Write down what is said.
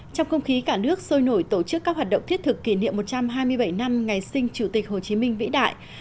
trong không khí cả nước sôi nổi tổ chức các hoạt động thiết thực kỷ niệm một trăm hai mươi bảy năm ngày sinh chủ tịch hồ chí minh vĩ đại